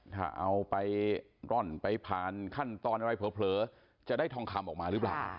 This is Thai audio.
ถ้าเอาไปร่อนไปผ่านขั้นตอนอะไรเผลอจะได้ทองคำออกมาหรือเปล่า